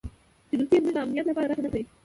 چې دوستي یې زموږ د امنیت لپاره ګټه نه کوي.